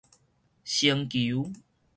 星球